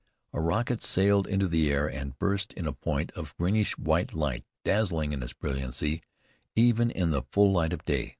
A rocket sailed into the air and burst in a point of greenish white light, dazzling in its brilliancy, even in the full light of day.